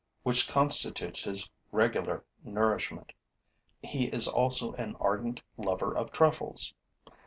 which constitutes his regular nourishment. He is also an ardent lover of truffles.